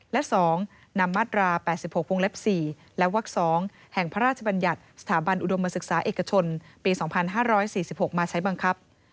และ๒นำมาตรา๘๖วงเล็บ๔และวัก๒แห่งพระราชบัญญัติสถาบันอุดมศึกษาเอกชนปี๒๕๔๖มาใช้บังคับ